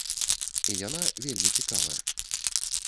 І яна вельмі цікавая.